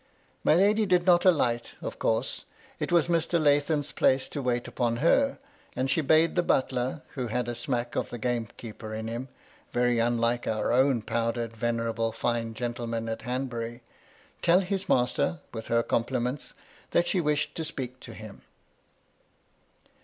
My lady did not alight, of course; it was Mr. Lathom's place to wait upon her, and she bade the butler, — who had a smack of the gamekeeper in him, very unlike our own powdered venerable fine gentleman at Hanbury, — tell his master, with her compliments, that she wished to speak to him.